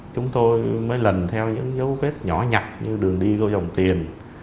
chúng tôi mới lần theo những dấu vết nhỏ nhặt như đường đi đôi dòng tiền